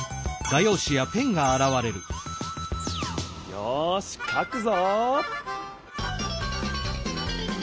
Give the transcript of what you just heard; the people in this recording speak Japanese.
よしかくぞ！